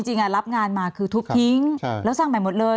รับงานมาคือทุบทิ้งแล้วสร้างใหม่หมดเลย